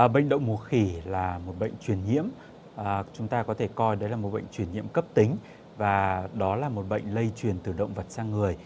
bệnh đậu mùa khỉ là một bệnh truyền nhiễm chúng ta có thể coi đấy là một bệnh truyền nhiễm cấp tính và đó là một bệnh lây truyền từ động vật sang người